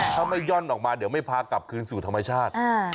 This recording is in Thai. ถ้าไม่ย่อนออกมาเดี๋ยวไม่พากลับคืนสู่ธรรมชาติ